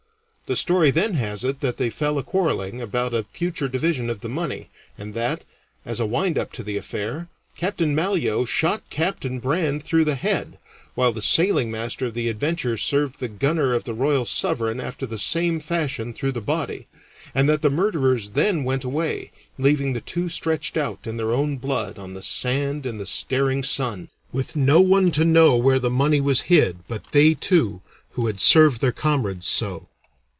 The story then has it that they fell a quarreling about a future division of the money, and that, as a wind up to the affair, Captain Malyoe shot Captain Brand through the head, while the sailing master of the Adventure served the gunner of the Royal Sovereign after the same fashion through the body, and that the murderers then went away, leaving the two stretched out in their own blood on the sand in the staring sun, with no one to know where the money was hid but they two who had served their comrades so.